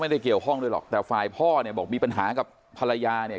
ไม่ได้เกี่ยวข้องด้วยหรอกแต่ฝ่ายพ่อเนี่ยบอกมีปัญหากับภรรยาเนี่ย